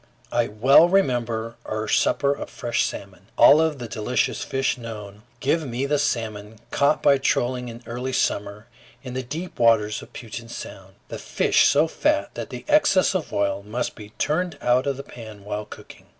I well remember our supper of fresh salmon. Of all the delicious fish known, give me the salmon caught by trolling in early summer in the deep waters of Puget Sound, the fish so fat that the excess of oil must be turned out of the pan while cooking.